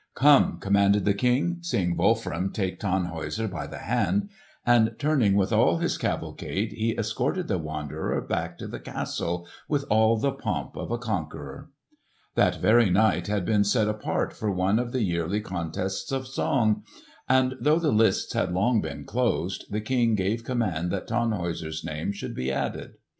"Come!" commanded the King, seeing Wolfram take Tannhäuser by the hand. And turning with all his cavalcade he escorted the wanderer back to the castle with all the pomp of a conqueror. That very night had been set apart for one of the yearly contests of song; and though the lists had long been closed, the King gave command that Tannhäuser's name should be added.